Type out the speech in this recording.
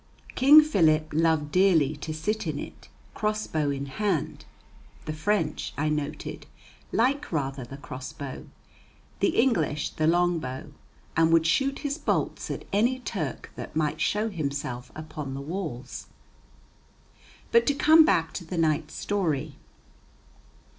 King Philip loved dearly to sit in it, cross bow in hand the French, I noted, like rather the cross bow, the English the long bow and would shoot his bolts at any Turk that might show himself upon the walls. But to come back to the knight's story.